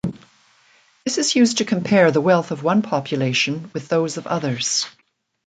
This is used to compare the wealth of one population with those of others.